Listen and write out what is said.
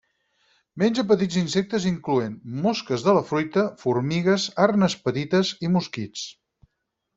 Menja petits insectes incloent, mosques de la fruita, formigues, arnes petites i mosquits.